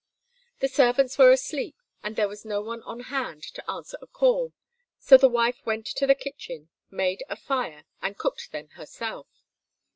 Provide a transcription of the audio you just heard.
The servants were asleep, and there was no one on hand to answer a call, so the wife went to the kitchen, made a fire and cooked them herself.